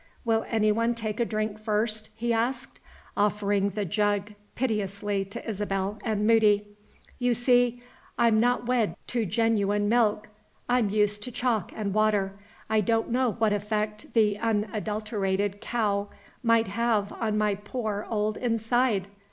"Will anyone take a drink first?" he asked, offering the jug piteously to Isabel and Moody. "You see, I'm not wed to genuine milk; I'm used to chalk and water. I don't know what effect the unadulterated cow might have on my poor old inside."